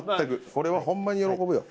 これはホンマに喜ぶよ。